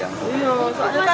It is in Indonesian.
iya soalnya kan jualan